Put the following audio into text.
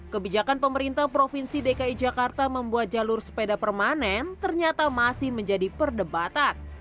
kebijakan pemerintah provinsi dki jakarta membuat jalur sepeda permanen ternyata masih menjadi perdebatan